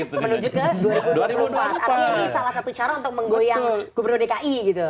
artinya ini salah satu cara untuk menggoyang gubernur dki gitu